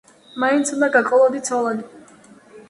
მაინც უნდა გაყოლოდი ცოლად.